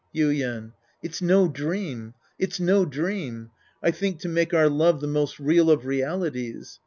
, Yuien. It's no dream. It's no dream. I think to make our love the most real of realities.